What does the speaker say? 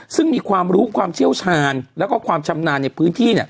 ซึ่งมีความรู้ความเชี่ยวชาญแล้วก็ความชำนาญในพื้นที่